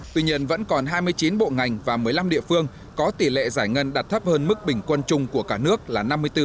tuy nhiên vẫn còn hai mươi chín bộ ngành và một mươi năm địa phương có tỷ lệ giải ngân đạt thấp hơn mức bình quân chung của cả nước là năm mươi bốn